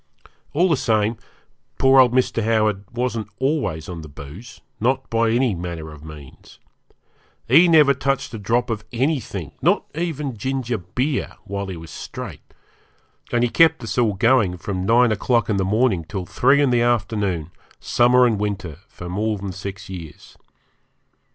All the same, poor old Mr. Howard wasn't always on the booze, not by any manner of means. He never touched a drop of anything, not even ginger beer, while he was straight, and he kept us all going from nine o'clock in the morning till three in the afternoon, summer and winter, for more than six years.